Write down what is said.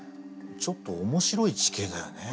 ちょっと面白い地形だよね。